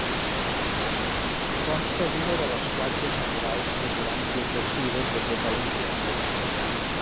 Consta d'una de les platges naturals més grans i atractives de tota l'illa.